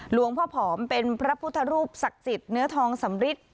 หลวงพ่อผอมเป็นพระพุทธรูปศักดิ์สิทธิ์เนื้อทองสำริท